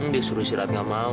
dia suruh istirahat nggak mau